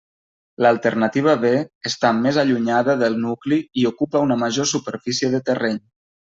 L'alternativa B està més allunyada del nucli i ocupa una major superfície de terreny.